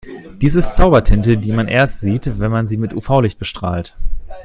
Dies ist Zaubertinte, die man erst sieht, wenn man sie mit UV-Licht bestrahlt.